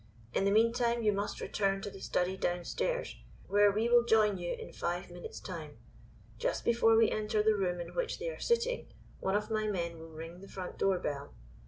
In the meantime you must return to the study downstairs, where we will join you in five minutes' time. Just before we enter the room in which they are sitting, one of my men will ring the front door bell.